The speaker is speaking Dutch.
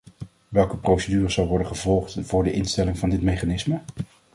Welke procedure zal worden gevolgd voor de instelling van dit mechanisme?